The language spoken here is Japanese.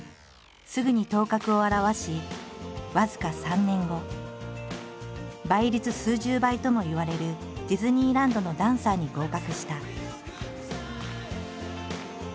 すぐに頭角を現し僅か３年後倍率数十倍ともいわれるディズニーランドのダンサーに合格した。